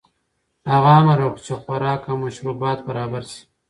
هغه امر وکړ چې خوراک او مشروبات برابر شي.